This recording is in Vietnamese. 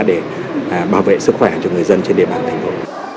để bảo vệ sức khỏe cho người dân trên địa bàn thành phố